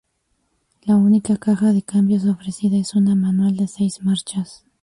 La única caja de cambios ofrecida es una manual de seis marchas.